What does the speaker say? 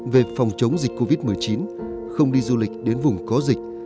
về phòng chống dịch covid một mươi chín không đi du lịch đến vùng có dịch